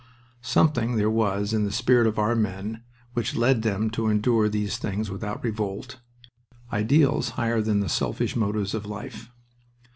Something there was in the spirit of our men which led them to endure these things without revolt ideals higher than the selfish motives of life.